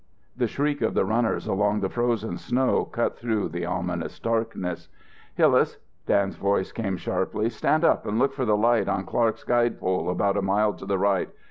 The shriek of the runners along the frozen snow cut through the ominous darkness. "Hillas," Dan's voice came sharply, "stand up and look for the light on Clark's guide pole about a mile to the right.